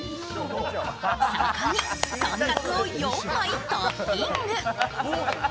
そこに豚カツを４枚トッピング。